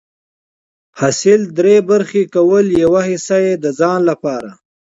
حاصل دری برخي کول، يوه حيصه د ځان لپاره